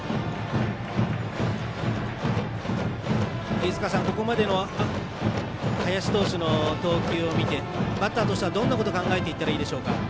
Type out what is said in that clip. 飯塚さん、ここまでの林投手の投球を見てバッターとしてはどんなこと考えていったらいいでしょうか。